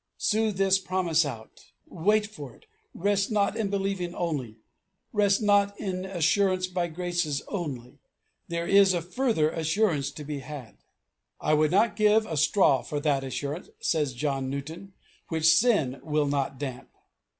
Sue this promise out, wait for it, rest not in believing only, rest not in assurance by graces only; there is a further assurance to be had." "I would not give a straw for that assurance," says John Newton, "which sin will not damp.